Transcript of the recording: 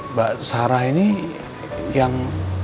mbak sarah ini yang